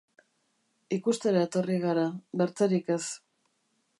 Ikustera etorri gara, bertzerik ez.